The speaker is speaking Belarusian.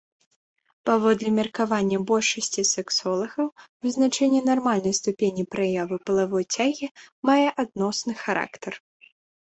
Паводле меркавання большасці сексолагаў, вызначэнне нармальнай ступені праявы палавой цягі мае адносны характар.